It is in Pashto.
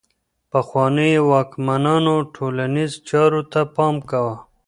پخوانيو واکمنانو ټولنيزو چارو ته پام کاوه.